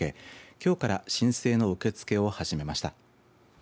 きょうから申請の受け付けを始めました。